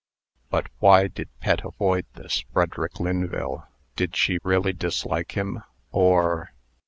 But why did Pet avoid this Frederick Lynville? Did she really dislike him? Or